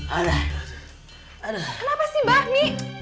kenapa sih bang